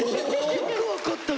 よく分かってるね！